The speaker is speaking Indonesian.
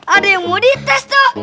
ada yang mau dites tuh